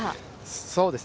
そうですね。